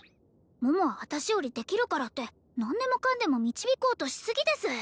桃は私よりできるからって何でもかんでも導こうとしすぎです